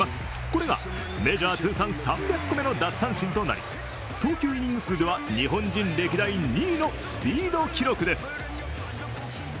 これがメジャー通算３００個目の奪三振となり投球イニング数では日本人歴代２位のスピード記録です。